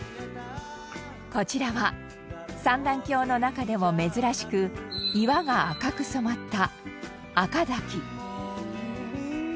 こちらは三段峡の中でも珍しく岩が赤く染まった赤滝。